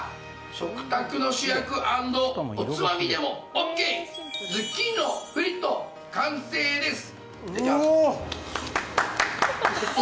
食卓の主役＆おつまみでもＯＫ、ズッキーニのフリット、完成です。